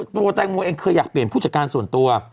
ตัวแตงโมเองเคยอยากเปลี่ยนผู้จัดการส่วนตัว